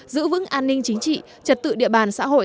giữ vững an ninh chính trị trật tự địa bàn xã hội